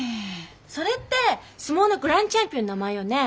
それって相撲のグランドチャンピオンの名前よね。